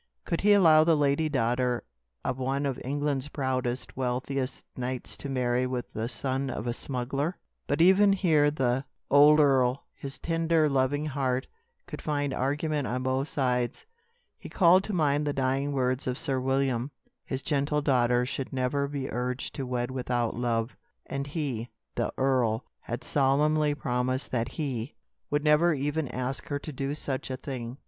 Could he allow the lady daughter of one of England's proudest, wealthiest knights to marry with the son of a smuggler? But even here the old earl, his tender, loving heart, could find argument on both sides. He called to mind the dying words of Sir William. His gentle daughter should never be urged to wed without love, and he the earl had solemnly promised that he would never even ask her to do such a thing.